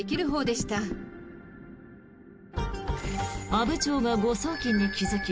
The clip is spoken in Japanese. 阿武町が誤送金に気付き